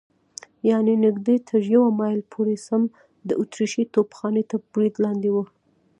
یعنې نږدې تر یوه مایل پورې سم د اتریشۍ توپخانې تر برید لاندې و.